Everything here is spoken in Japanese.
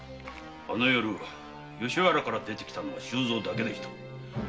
あの夜吉原から出てきたのは周蔵だけでした。